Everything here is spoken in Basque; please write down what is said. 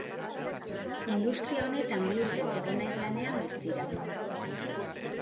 Industria honetan bi urtez egon naiz lanean, guztira.